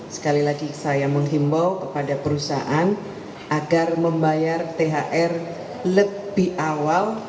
sekali lagi saya menghimbau kepada perusahaan agar membayar thr lebih awal